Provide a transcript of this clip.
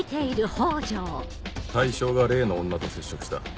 対象が例の女と接触した。